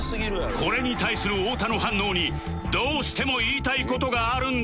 これに対する太田の反応にどうしても言いたい事があるんだそう